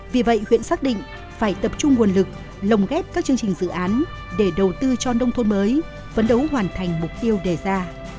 vì vậy huyện xác định phải tập trung nguồn lực lồng ghép các chương trình dự án để đầu tư cho nông thôn mới phấn đấu hoàn thành mục tiêu đề ra